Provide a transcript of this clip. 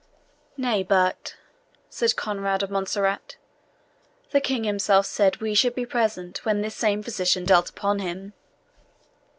"Nay, but," said Conrade of Montserrat, "the King himself said we should be present when this same physician dealt upon him."